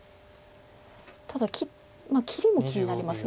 ただ切りも気になります。